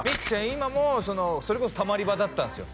今もそれこそたまり場だったんですよ